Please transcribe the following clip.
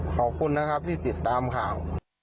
ขอบคุณนะครับที่ติดตามข่าว